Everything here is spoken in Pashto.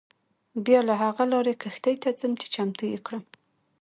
بیا له هغه لارې کښتۍ ته ځم چې چمتو یې کړم.